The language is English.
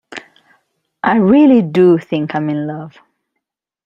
I really do think I'm in love.